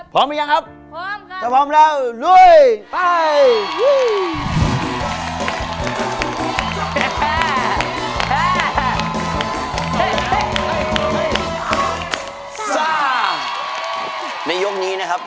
พร้อมแล้วครับ